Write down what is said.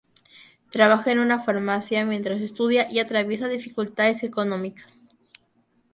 Trabaja en una farmacia, mientras estudia y atraviesa dificultades económicas.